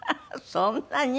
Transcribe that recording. そんなに？